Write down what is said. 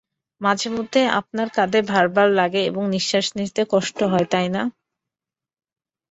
মাঝেমধ্যে আপনার কাঁধে ভার ভার লাগে এবং নিঃশ্বাস নিতে কষ্ট হয়, তাই না?